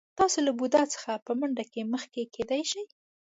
تاسو له بوډا څخه په منډه کې مخکې کېدلی شئ.